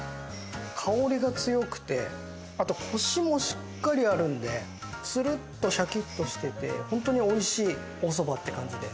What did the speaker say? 香りが強くてあとコシもしっかりあるのでつるっとシャキッとしてて本当においしいおそばって感じです。